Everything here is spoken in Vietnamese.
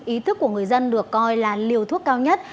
ý thức của người dân được coi là liều thuốc cao nhất